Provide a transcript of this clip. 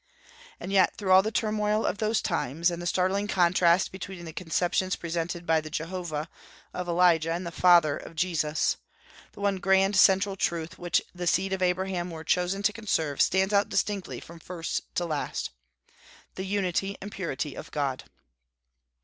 And yet, through all the turmoil of those times, and the startling contrast between the conceptions presented by the "Jehovah" of Elijah and the "Father" of Jesus, the one grand central truth which the seed of Abraham were chosen to conserve stands out distinctly from first to last, the unity and purity of God.